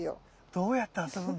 どうやって遊ぶんだ？